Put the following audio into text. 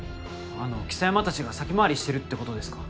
あの象山たちが先回りしてるってことですか？